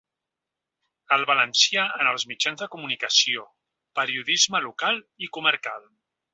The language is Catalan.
El valencià en els mitjans de comunicació’, ‘Periodisme local i comarcal.